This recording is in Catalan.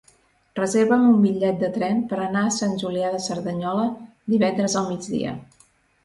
Reserva'm un bitllet de tren per anar a Sant Julià de Cerdanyola divendres al migdia.